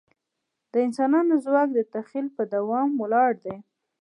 د انسان ځواک د تخیل په دوام ولاړ دی.